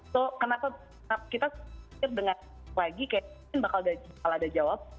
so kenapa kita pikir dengan lagi kayak mungkin bakal ada jawab